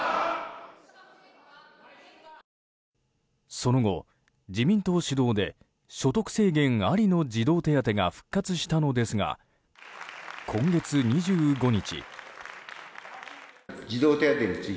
その後、自民党主導で所得制限ありの児童手当が復活したのですが今月２５日。